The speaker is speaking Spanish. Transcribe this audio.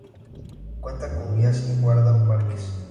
Cuenta con guías y guarda parques.